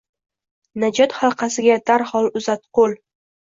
Najot halqasiga darhol uzat qo’l.